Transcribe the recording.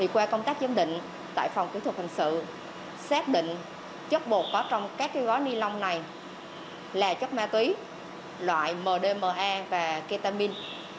qua công tác giám định tại phòng kỹ thuật hình sự xác định chất bột có trong các gói ni lông này là chất ma túy loại mdma và ketamin